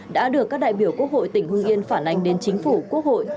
đã được các đại biểu quốc hội tỉnh hưng yên phản ánh đến chính phủ quốc hội